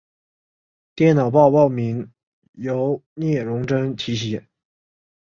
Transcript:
电脑报报名由聂荣臻题写。